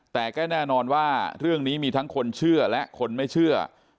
แต่ก็แน่นอนว่าเรื่องนี้มีทั้งคนเชื่อและคนไม่เชื่อ